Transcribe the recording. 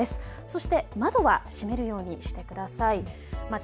そして窓は閉めるようにしてください。